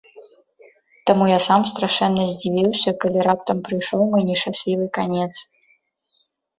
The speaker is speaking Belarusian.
Таму я сам страшэнна здзівіўся, калі раптам прыйшоў мой нешчаслівы канец.